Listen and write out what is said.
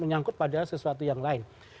menyangkut pada sesuatu yang lain